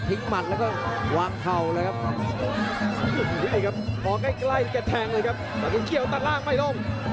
นี่ครับมองให้ใกล้แค่แทงเลยครับสามจีนเกี่ยวตั้งล่างไม่ลง